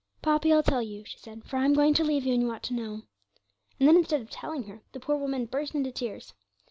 'Poppy, I'll tell you,' she said, 'for I am going to leave you, and you ought to know.' And then, instead of telling her, the poor woman burst into tears.